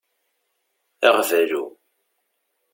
Aɣbalu.